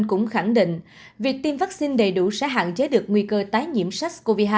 cũng khẳng định việc tiêm vaccine đầy đủ sẽ hạn chế được nguy cơ tái nhiễm sars cov hai